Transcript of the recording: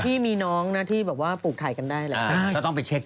พี่มีน้องนะที่ปลูกถ่ายกันได้เลย